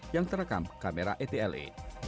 yang terekam kamera etle